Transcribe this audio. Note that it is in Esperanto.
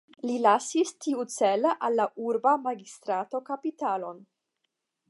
Li lasis tiucele al la urba magistrato kapitalon.